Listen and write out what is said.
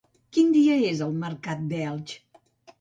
Quin dia és el mercat d'Elx?